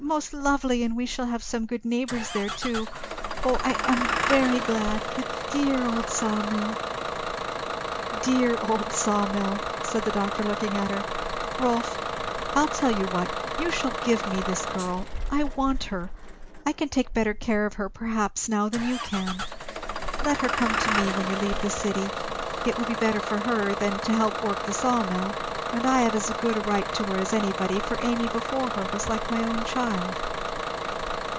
most lovely and we shall have some good neighbours there too. O I am very glad! The dear old saw mill! " "Dear old saw mill!" said the doctor looking at her. "Rolf, I'll tell you what, you shall give me this girl. I want her. I can take better care of her, perhaps, now than you can. Let her come to me when you leave the city it will be better for her than to help work the saw mill; and I have as good a right to her as anybody, for Amy before her was like my own child."